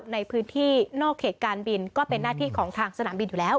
ในพื้นที่นอกเขตการบินก็เป็นหน้าที่ของทางสนามบินอยู่แล้ว